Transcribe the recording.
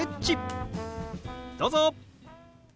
どうぞ！